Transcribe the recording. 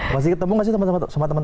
masih ketemu nggak sih sama teman teman